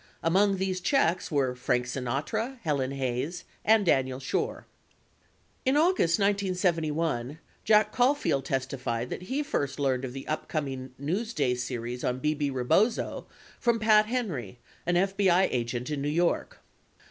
Among these checks were Frank Sinatra, Helen Hayes, and Daniel Schorr. 93 In August 1971, Jack Caulfield testified that he first learned of the upcoming Newsday series on Bebe Rebozo from Pat Henry, an FBI agent in New York.